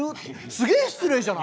すげえ失礼じゃない？